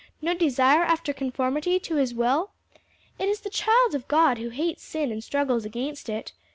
no desire after conformity to his will? It is the child of God who hates sin and struggles against it.